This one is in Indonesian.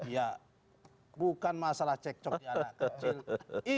ya bukan masalah cekcok di anak kecil